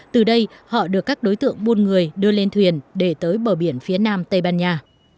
từ đây họ được các đối tượng buôn người đưa lên thuyền để tới bờ biển phía nam tây ban nha